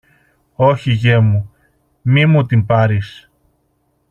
Όχι, γιε μου, μη μου την πάρεις